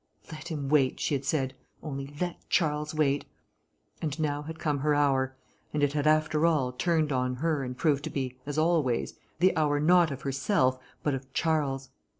Let him wait, she had said; only let Charles wait. And now had come her hour, and it had, after all, turned on her and proved to be, as always, the hour not of herself, but of Charles.